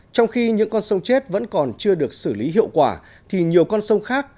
trong khi những con sông chết vẫn còn chưa được xử lý hiệu quả thì nhiều con sông khác